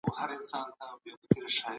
د دربار رسمي ژبه کومه وه؟